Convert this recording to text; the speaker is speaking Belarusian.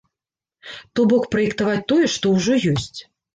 То бок праектаваць тое, што ўжо ёсць.